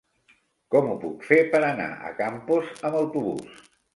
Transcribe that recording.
Com ho puc fer per anar a Campos amb autobús?